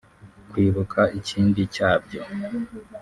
Kwibuka ikindi cyabyo